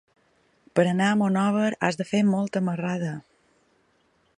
Per anar a Monòver has de fer molta marrada.